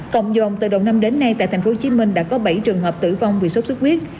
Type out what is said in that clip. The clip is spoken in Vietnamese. cộng dồn từ đầu năm đến nay tại tp hcm đã có bảy trường hợp tử vong vì sốt xuất huyết